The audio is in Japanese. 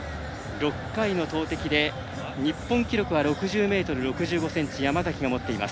６回の投てきで日本記録は６０ｍ６５ｃｍ山崎が持っています。